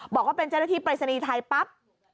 บอกว่าเป็นเจ้าหน้าที่ปรายศนีย์ไทยปั๊บ